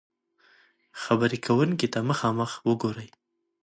-خبرې کونکي ته مخامخ وګورئ